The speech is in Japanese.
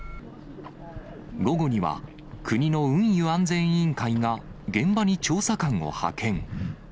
午後には、国の運輸安全委員会が現場に調査官を派遣。